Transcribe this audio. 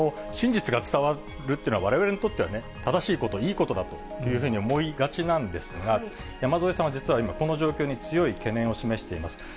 真実が伝わるというのは、われわれにとってはね、正しいこと、いいことだというふうに思いがちなんですが、山添さんは、実は今、この状況に強い懸念を示しています。